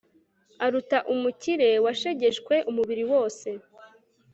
aruta umukire washegeshwe umubiri wose